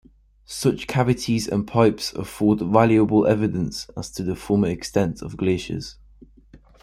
Such cavities and pipes afford valuable evidence as to the former extent of glaciers.